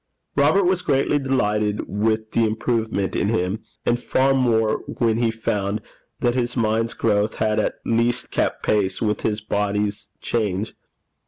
Robert was greatly delighted with the improvement in him, and far more when he found that his mind's growth had at least kept pace with his body's change.